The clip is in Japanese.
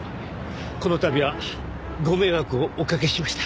この度はご迷惑をおかけしました。